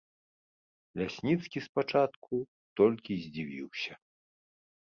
Лясніцкі спачатку толькі здзівіўся.